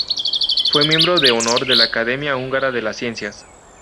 Fue miembro de honor de la Academia Húngara de las Ciencias.